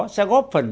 sẽ góp phần